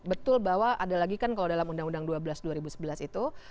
betul bahwa ada lagi kan kalau dalam undang undang dua belas dua ribu sebelas itu